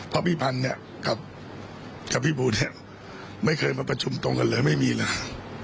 เพราะพี่พันธุ์เนี่ยกับพี่บูลเนี่ยไม่เคยมาประชุมตรงกันเลยไม่มีเลย